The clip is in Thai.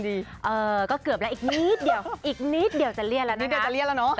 เออก็เกือบแล้วอีกนิดเดียวอีกนิดเดียวจะเลี่ยแล้วนะนิดเดียวจะเลี่ยแล้วเนอะ